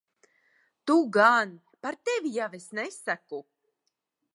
Tu gan. Par tevi jau es nesaku.